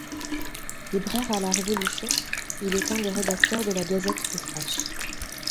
Libraire à la Révolution, il est un des rédacteurs de la Gazette de France.